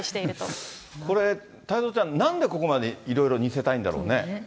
これ、太蔵ちゃん、なんでここまでいろいろ似せたいんだろうね。